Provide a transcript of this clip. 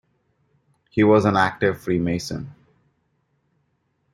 He was an active Freemason.